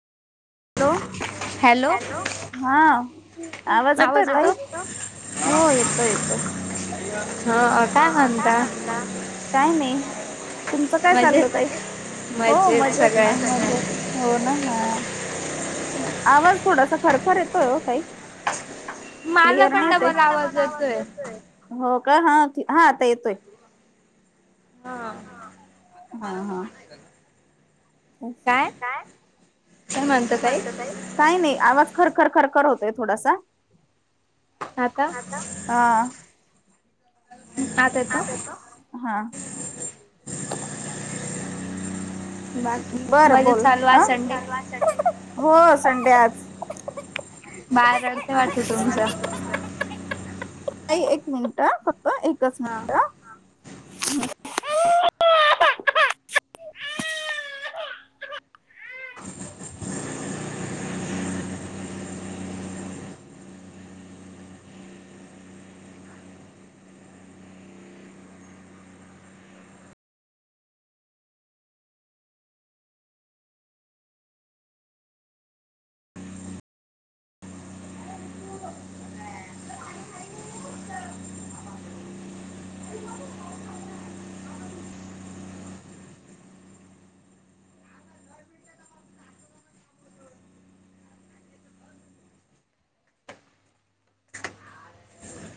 hello, hello हा आवाज येतोय का हो येतोय, येतोय ह काय म्हणता काय नाही तुमचं काय चाललं त हो मजेत ना हो ना ह आवाज थोडासा खरखर येतोय हो काही क्लिअरवा देतय हा, हा आता येतोय हा, हा काय म्हणत काय नाही आवाज खर खर खरखर होतय थोडासा ह हा बर बोल चाल हो संडे आज बाळ रडत वाटत तुमचं का एक मिनिट फक्त एकच मिनिट